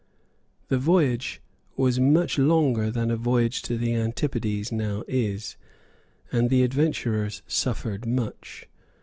The voyage was much longer than a voyage to the Antipodes now is; and the adventurers suffered much.